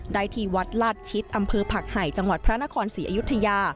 ที่วัดลาดชิดอำเภอผักไห่จังหวัดพระนครศรีอยุธยา